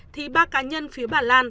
thì ba cá nhân phía bản lan